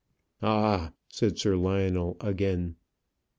"Ah!" said Sir Lionel again.